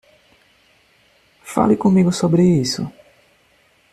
Fale comigo sobre isso.